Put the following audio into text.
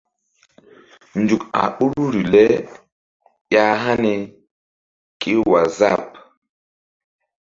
Nzuk a ɓoruri le ya̧hani kéwaazap.